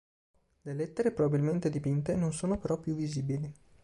Le lettere, probabilmente dipinte, non sono però più visibili.